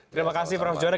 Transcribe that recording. terima kasih profesor johana